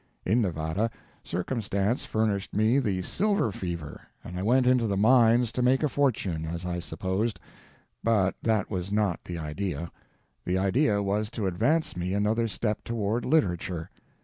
In Nevada, Circumstance furnished me the silver fever and I went into the mines to make a fortune, as I supposed; but that was not the idea. The idea was to advance me another step toward literature.